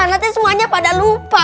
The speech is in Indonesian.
nanti semuanya pada lupa